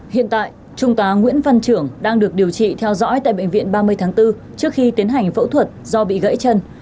hiện tại trung tá nguyễn văn trưởng đang được điều trị theo dõi tại bệnh viện ba mươi tháng bốn trước khi tiến hành phẫu thuật do bị gãy chân